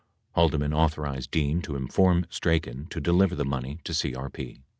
Haldeman authorized Dean to inform Strachan to deliver the money to CRP.